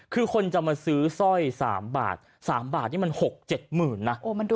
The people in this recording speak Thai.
คือคนจะมาซื้อสร้อยสามบาทสามบาทนี่มันหกเจ็ดหมื่นน่ะโอ้มันดู